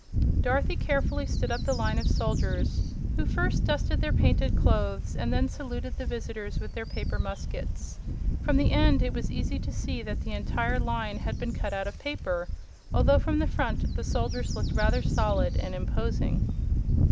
Dorothy carefully stood up the line of soldiers, who first dusted their painted clothes and then saluted the visitors with their paper muskets. From the end it was easy to see that the entire line had been cut out of paper, although from the front the soldiers looked rather solid and imposing.